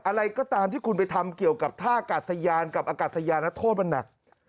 อะไรก็ตามที่คุณไปทำเกี่ยวกับท่ากาศยานกับอากาศยานโทษมันหนัก